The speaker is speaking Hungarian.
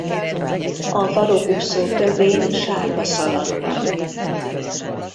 A farokúszó tövén sárga szalag van.